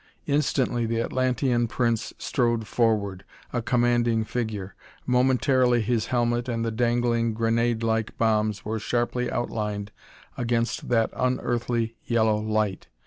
Instantly the Atlantean prince strode forward, a commanding figure. Momentarily his helmet and the dangling grenadelike bombs were sharply outlined against that unearthly yellow light.